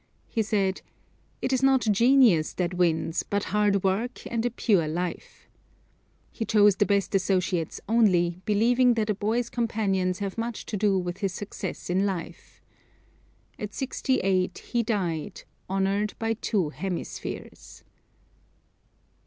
He said: "It is not genius that wins, but hard work and a pure life." He chose the best associates only, believing that a boy's companions have much to do with his success in life. At sixty eight he died, honored by two hemispheres.